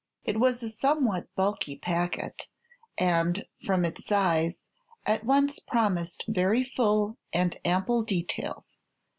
It was a somewhat bulky packet, and, from its size, at once promised very full and ample details.